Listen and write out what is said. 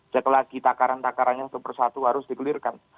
cek lagi takaran takarannya satu persatu harus digulirkan